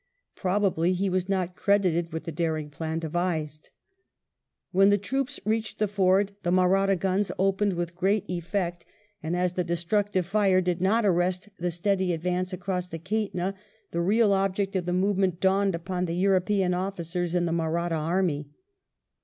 Probably he was not credited with the daring plan devised. When the troops reached the ford the Mahratta guns opened with great eflect, and as the 76 WELLINGTON chap. destructive fire did not arrest the steady advance across the Kaitna, the real object of the movement dawned upon the European officers in the Mahratta army.